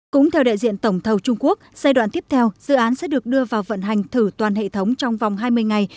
cũng theo đại diện tổng thầu trung quốc giai đoạn tiếp theo dự án sẽ được đưa vào vận hành thử toàn hệ thống trong vòng hai mươi ngày